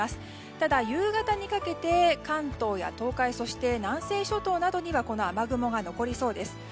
ただ、夕方にかけて関東や東海、南西諸島などにはこの雨雲が残りそうです。